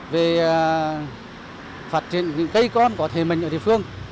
về phát triển những cây con có thể mệnh ở địa phương